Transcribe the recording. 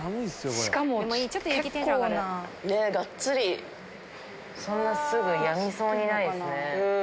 しかも結構なねっがっつりそんなすぐやみそうにないですね